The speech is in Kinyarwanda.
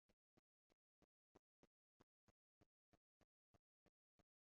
nta kanunu k'ikinyabuzima nakimwe